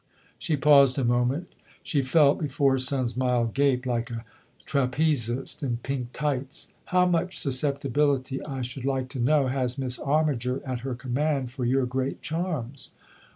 She paused a moment ; she felt, before her son's mild gape, like a trapezist in pink tights. " How much susceptibility, I should like to know, has Miss Armiger at her command for your great charms?"